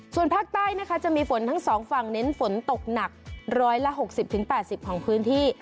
ส่วนภาคใต้นะคะจะมีฝนทั้งสองฝั่งเน้นฝนตกหนัก๑๖๐๘๐ของพื้นที่